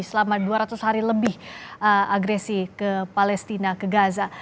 selama dua ratus hari lebih agresi ke palestina ke gaza